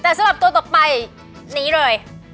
แต่สำหรับตัวต่อไปนี้เลย